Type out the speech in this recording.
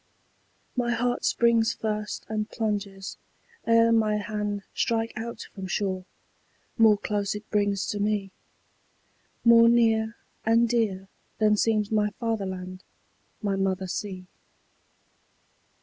My heart springs first and plunges, ere my hand Strike out from shore: more close it brings to me, More near and dear than seems my fatherland, My mother sea.